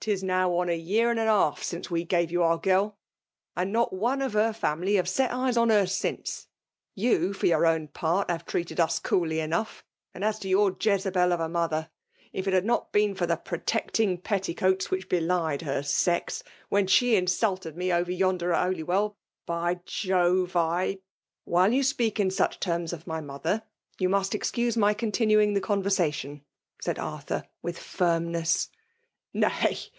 't^ now near on a year and a half since we gai^ you our girl, and not one of her family have set ^eson her since. You, for your own par^, have treated us coolly enough ; and as to yoi^r •Jezebel of a mpther, if it had not been for the proteeting petticoats which belied her sex, when she insulted me over yonder at H<dy w^ll— by Jove, I "" While you speak in such terms of my 54 PBMHUE BOMIKATIGR madiet, you must exeuae tny contiaiiiDg tbe iM^Bveniattoii/' said Arthair, witk finnneflL ''Nay!